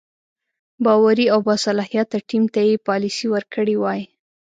باوري او باصلاحیته ټیم ته یې پالیسي ورکړې وای.